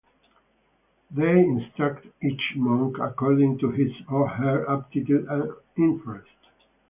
They instruct each monk according to his or her aptitude and interest.